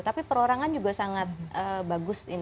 tapi perorangan juga sangat bagus